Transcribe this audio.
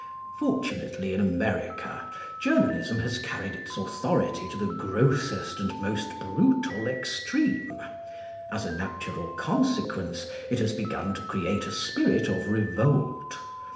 Fortunately in America Journalism has carried its authority to the grossest and most brutal extreme. As a natural consequence it has begun to create a spirit of revolt.